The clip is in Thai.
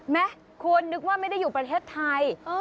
ควรนึกว่าไม่ได้อยู่ประเทศไทย